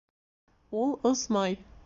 Ул осмай